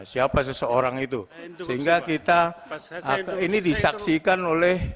siapa seseorang itu sehingga kita ini disaksikan oleh